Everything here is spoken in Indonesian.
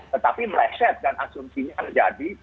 tetapi meleset dan asumsinya menjadi